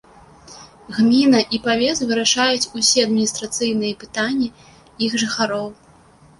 Гміна і павет вырашаюць усе адміністрацыйныя пытанні іх жыхароў.